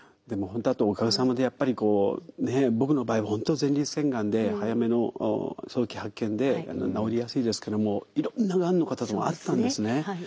でも本当あとおかげさまでやっぱりこうねえ僕の場合は本当前立腺がんで早めの早期発見で治りやすいですけどもいろんながんの方とも会ったんですね。